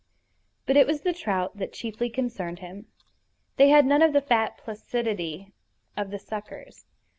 But it was the trout that chiefly concerned him. They had none of the fat placidity of the suckers.